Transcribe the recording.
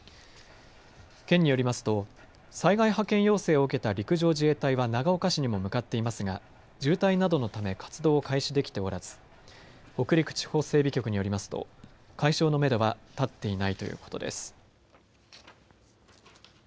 県によりますと災害派遣要請を受けた陸上自衛隊は長岡市にも向かっていますが渋滞などのため活動を開始できておらず北陸地方整備局によりますと解消のめどは立っていないということです。